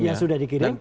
yang sudah dikirim